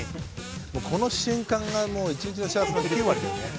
この瞬間が一日の幸せの９割だよね。